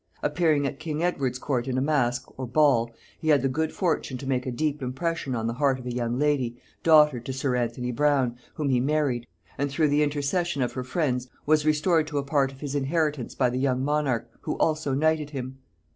Appearing at king Edward's court in a mask, or ball, he had the good fortune to make a deep impression on the heart of a young lady, daughter to sir Anthony Brown, whom he married; and through the intercession of her friends was restored to a part of his inheritance by the young monarch, who also knighted him.